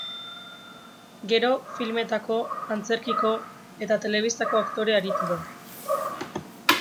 Gero filmetako, antzerkiko eta telebistako aktore aritu da.